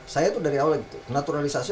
saya tuh dari awal lagi naturalisasi